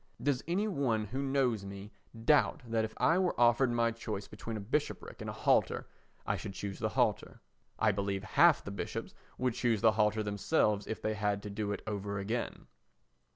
Does any one who knows me doubt that if I were offered my choice between a bishopric and a halter, I should choose the halter? I believe half the bishops would choose the halter themselves if they had to do it over again.